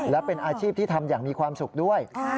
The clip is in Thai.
และเป็นอาชีพที่ทำอย่างมีความสุขด้วย